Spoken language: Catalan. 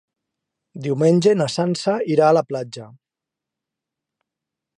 Diumenge na Sança irà a la platja.